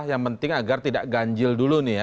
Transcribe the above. yang penting agar tidak ganjil dulu nih ya